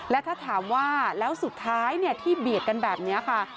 และถ้าถามว่าแล้วสุดท้ายที่เบียดกันแบบนี้ค่ะ